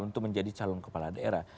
untuk menjadi calon kepala daerah